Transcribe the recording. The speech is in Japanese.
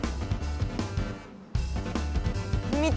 見て。